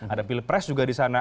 ada pilepres juga disana